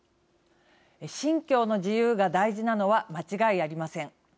信教の自由が大事なのは間違いありません。